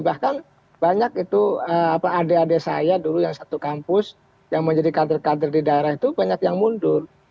bahkan banyak itu adik adik saya dulu yang satu kampus yang menjadi kader kader di daerah itu banyak yang mundur